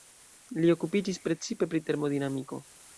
Li okupiĝis precipe pri termodinamiko.